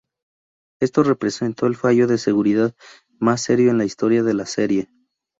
Esto representó el fallo de seguridad más serio en la historia de la serie.